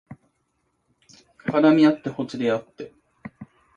絡みあってほつれあって